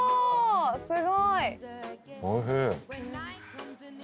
すごい！